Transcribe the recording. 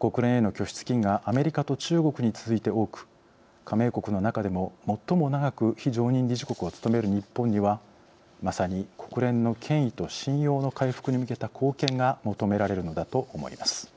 国連への拠出金がアメリカと中国に続いて多く加盟国の中でも最も長く非常任理事国を務める日本にはまさに国連の権威と信用の回復に向けた貢献が求められるのだと思います。